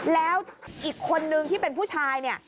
แล้วอีกคนนึงที่เป็นผู้ชายเนี่ย